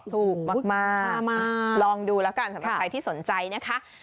ถูกมากลองดูแล้วกันสำหรับใครที่สนใจนะคะ